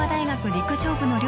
陸上部の寮